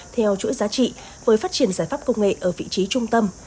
theo chuỗi giá trị với phát triển giải pháp công nghệ ở vị trí trung tâm